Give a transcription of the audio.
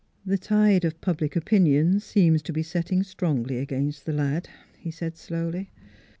" The tide of public opinion seems to be setting strongly against the lad," he said slowly.